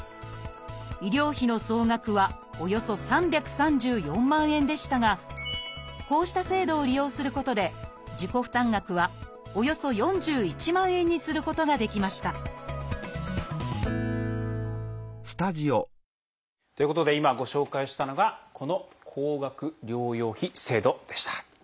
医療費の総額はおよそ３３４万円でしたがこうした制度を利用することで自己負担額はおよそ４１万円にすることができましたということで今ご紹介したのがこの高額療養費制度でした。